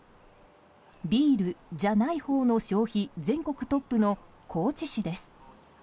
ビールじゃないほうの消費全国トップの高知市です。